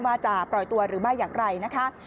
ว่าจะปล่อยตัวหรือไม่อย่างไรนะคะ